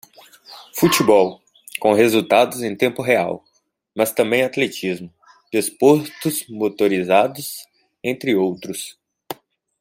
Futebol, com resultados em tempo real, mas também atletismo, desportos motorizados, entre outros.